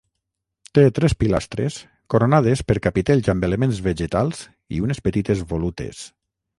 Té tres pilastres coronades per capitells amb elements vegetals i unes petites volutes.